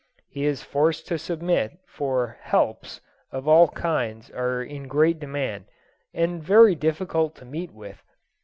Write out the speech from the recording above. He is forced to submit, for "helps" of all kinds are in great demand, and very difficult to meet with.